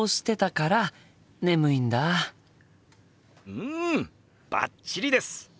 うんバッチリです！